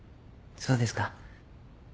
そうですか。